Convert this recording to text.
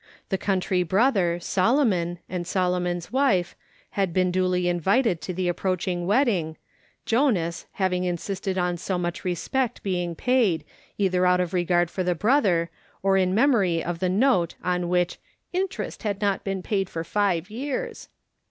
The country brother, Solomon, and Solomon's wife, had been duly invited to the approaching wedding, " Jonas" having insisted on so much respect being paid, either out of regard for the brother, or in memory of the note on which " interest had not been paid for five years."